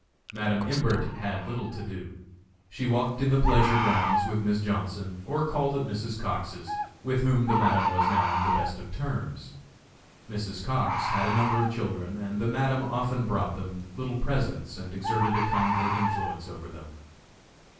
Madam Imbert had little to do. She walked in the pleasure grounds with Miss Johnson, or called at Mrs. Cox's, with whom the Madam was now on the best of terms. Mrs. Cox had a number of children and the Madam often bought them little presents and exerted a kindly influence over them.